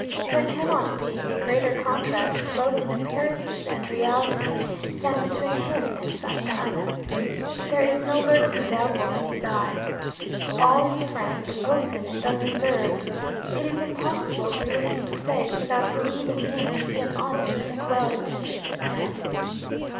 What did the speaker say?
There cannot be a greater contrast, both in appearance and reality, than between him and Santa Anna. There is no lurking devil in his eye. All is frank, open, and unreserved. It is impossible to look in his face without believing him to be an honest and well intentioned man.